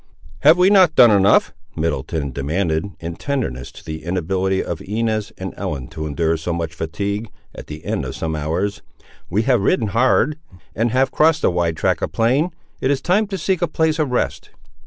"Have we not done enough," Middleton demanded, in tenderness to the inability of Inez and Ellen to endure so much fatigue, at the end of some hours; "we have ridden hard, and have crossed a wide tract of plain. It is time to seek a place of rest."